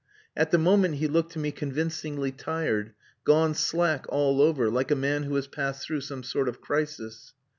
At the moment he looked to me convincingly tired, gone slack all over, like a man who has passed through some sort of crisis.